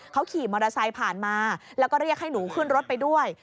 เขาขี่มอเตอร์ไซค์ผ่านมาแล้วก็เรียกให้หนูขึ้นรถไปด้วย